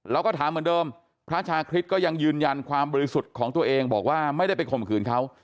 เราก็ถามเหมือนเดิมพระชาคริสก็ยังยืนยันความบริสุทธิ์ของตัวเองบอกว่าไม่ได้ไปข่มขืนเขา